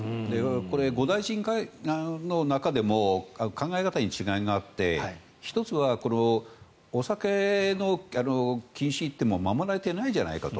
５大臣会合の中でも考え方に違いがあって１つはお酒の禁止が守られていないじゃないかと。